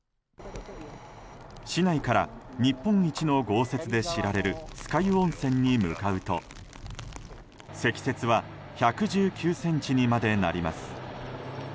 市内から日本一の豪雪で知られる酸ヶ湯温泉に向かうと積雪は１１９ｃｍにまでなります。